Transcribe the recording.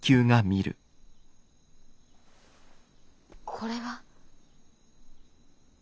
これは。